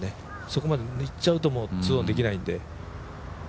そこまでいっちゃうと２オンできないんで。